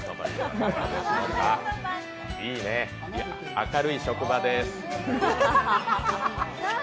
明るい職場です。